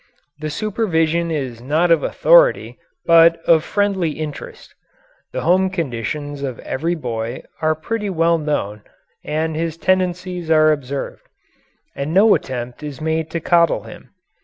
The supervision is not of authority but of friendly interest. The home conditions of every boy are pretty well known, and his tendencies are observed. And no attempt is made to coddle him.